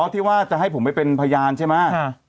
ที่ว่าจะให้ผมไปเป็นพยานใช่ไหม